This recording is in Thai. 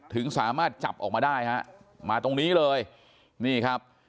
ถึงสามารถจับออกมาได้ฮะมาตรงนี้เลยนี่ครับ